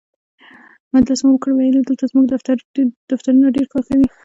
مجلس مو وکړ، ویل یې دلته زموږ دفترونه ډېر کار کوي.